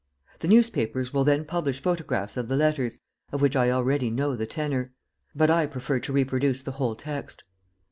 "The newspapers will then publish photographs of the letters, of which I already know the tenor; but I prefer to reproduce the whole text.